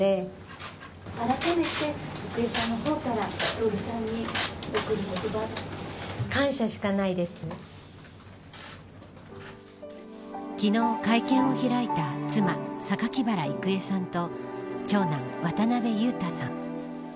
郁恵さんが明かしたのは昨日、会見を開いた妻、榊原郁恵さんと長男、渡辺裕太さん。